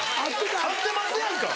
合ってますやんか！